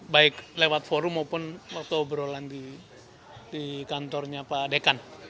baik lewat forum maupun waktu obrolan di kantornya pak dekan